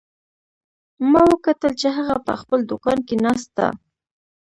ما وکتل چې هغه په خپل دوکان کې ناست ده